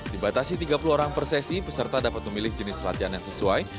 dibatasi tiga puluh orang per sesi peserta dapat memilih jenis latihan yang sesuai